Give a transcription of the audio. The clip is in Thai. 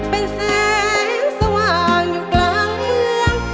เป็นแสงสว่างอยู่กลางเมือง